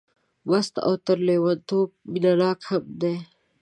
مست او تر لېونتوب مینه ناک هم دی.